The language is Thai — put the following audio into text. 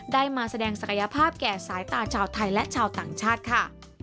ได้มาแสดงศักยภาพแก่สายตาชาวไทยและชาวต่างชาติค่ะ